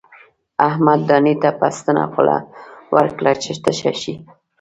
احمد دانې ته په ستنه خوله ورکړه چې تشه شي.